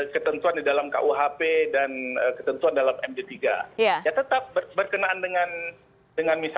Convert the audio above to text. hubungannya dengan ketentuan di dalam esuerda unggaton universitas padang melissa